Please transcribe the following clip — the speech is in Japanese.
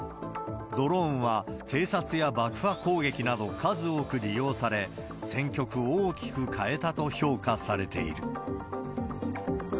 ドローンは偵察や爆破攻撃など、数多く利用され、戦局を大きく変えたと評価されている。